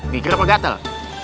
kita mau ke atel